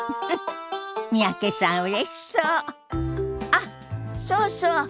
あっそうそう。